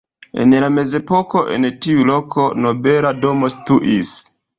En la mezepoko en tiu loko nobela domo situis.